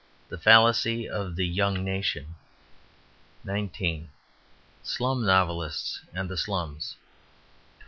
The Fallacy of the Young Nation 19. Slum Novelists and the Slums 20.